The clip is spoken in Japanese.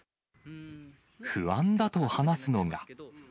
不安だと話すのが。